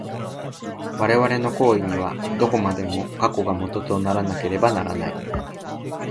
我々の行為には、どこまでも過去が基とならなければならない。